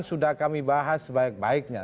sudah kami bahas sebaik baiknya